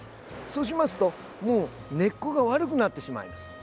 そうしますと根っこが悪くなってしまいます。